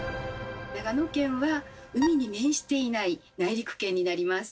長野県は海に面していない内陸県になります。